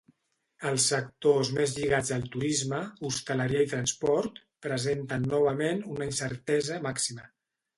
Els sectors més lligats al turisme –hostaleria i transport– presenten novament una incertesa màxima.